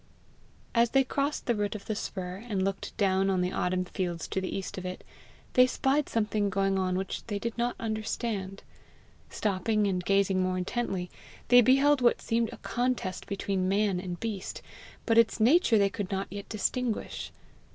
As they crossed the root of the spur, and looked down on the autumn fields to the east of it, they spied something going on which they did not understand. Stopping, and gazing more intently, they beheld what seemed a contest between man and beast, but its nature they could not yet distinguish.